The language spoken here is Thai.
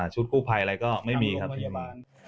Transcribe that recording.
ชุดคู่ภัยอะไรก็ไม่มีค่ะ